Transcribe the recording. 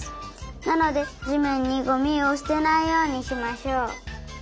なのでじめんにゴミをすてないようにしましょう。